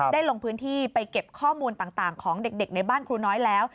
ลงพื้นที่ไปเก็บข้อมูลต่างของเด็กในบ้านครูน้อยแล้ว